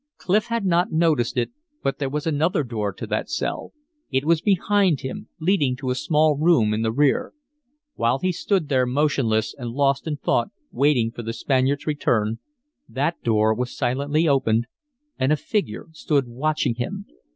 Clif had not noticed it, but there was another door to that cell. It was behind him, leading to a small room in the rear. While he stood there motionless and lost in thought waiting for the Spaniard's return, that door was silently opened, and a figure stood watching him.